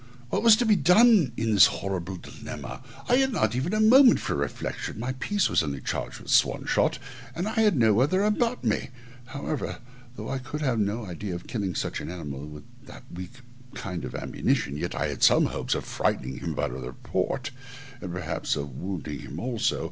What was to be done in this horrible dilemma? I had not even a moment for reflection; my piece was only charged with swan shot, and I had no other about me: however, though I could have no idea of killing such an animal with that weak kind of ammunition, yet I had some hopes of frightening him by the report, and perhaps of wounding him also.